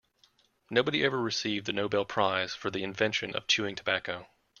Nobody ever received the Nobel prize for the invention of chewing tobacco.